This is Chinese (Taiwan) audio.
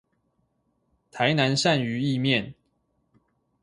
台南鱔魚意麵